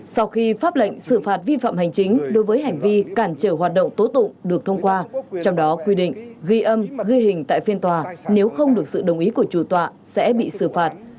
sau khi pháp lệnh sự phạt vi phạm hành chính đối với hành vi cản trở hoạt động tố tụng được thông qua trong đó quy định ghi âm ghi hình tại phiên tòa nếu không được sự đồng ý của chủ tọa sẽ bị xử phạt